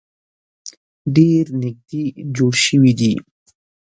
ډیر نیږدې جوړ شوي دي.